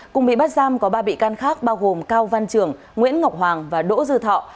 cùng bị bắt giam có ba bị can khác bao gồm cao văn trường nguyễn ngọc hoàng và đỗ dư thọ